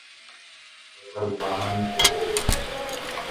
Rokarupámaniko ore.